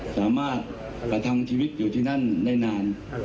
สามารถกระทั่งชีวิตอยู่ที่นั่นนั่นได้นาน